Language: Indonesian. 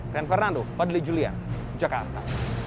rian fernando fadli julian jakarta